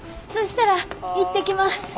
そしたら行ってきます。